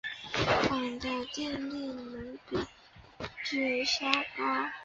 钫的电离能比铯稍高。